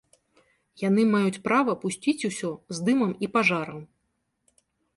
Яны маюць права пусціць усё з дымам і пажарам.